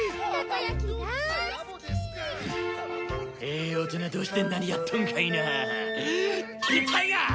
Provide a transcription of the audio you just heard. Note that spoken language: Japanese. ええ大人同士で何やっとんかいな。